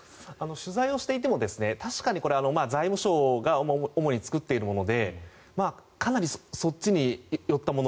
取材をしていても確かに財務省が主に作っているものでかなりそっちに寄ったもの。